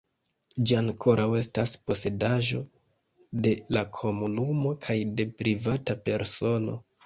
Ĝi ankoraŭ estas posedaĵo de la komunumo kaj de privata persono.